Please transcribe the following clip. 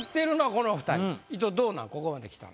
ここまできたら。